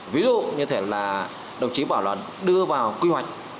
ví dụ như thế là đồng chí bảo luận đưa vào quy hoạch